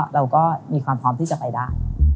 เราก็มีความพร้อมที่จะไปได้